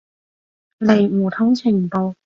嚟互通情報